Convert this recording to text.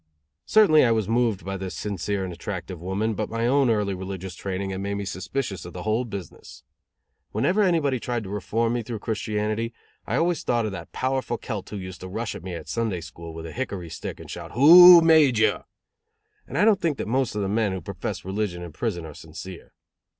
Certainly I was moved by this sincere and attractive woman, but my own early religious training had made me suspicious of the whole business. Whenever anybody tried to reform me through Christianity I always thought of that powerful Celt who used to rush at me in Sunday school with a hickory stick and shout "Who made you?" And I don't think that most of the men who profess religion in prison are sincere.